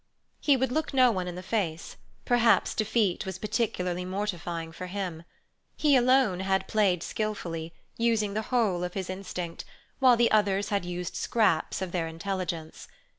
He would look no one in the face; perhaps defeat was particularly mortifying for him. He alone had played skilfully, using the whole of his instinct, while the others had used scraps of their intelligence.